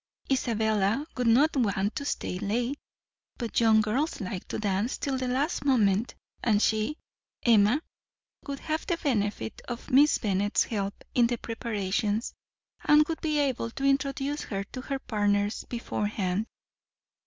Isabella would not want to stay late, but young girls liked to dance till the last moment, and she, Emma, would have the benefit of Miss Bennet's help in the preparations, and would be able to introduce her to her partners beforehand.